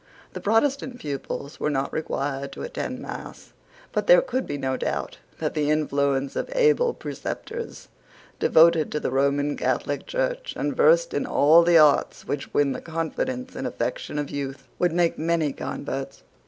The Protestant pupils were not required to attend mass: but there could be no doubt that the influence of able preceptors, devoted to the Roman Catholic Church, and versed in all the arts which win the confidence and affection of youth, would make many converts.